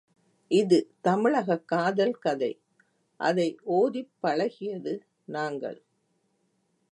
இது தமிழகக் காதல் கதை, அதை ஒதிப் பழகியது நாங்கள்.